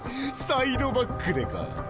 サイドバックでか？